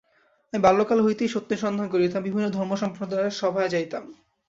আমি বাল্যকাল হইতেই সত্যের সন্ধান করিতাম, বিভিন্ন ধর্মসম্প্রদায়ের সভায় যাইতাম।